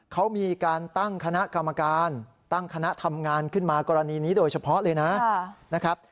เขามีการตั้งคณะกรรมการตั้งคณะทำงานขึ้นมากรณีนี้โดยเฉพาะเลยนะครับ